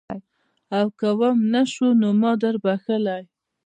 او که وم نه شو نو ما دربخلي.